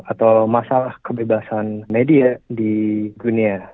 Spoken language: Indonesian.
atau masalah kebebasan media di dunia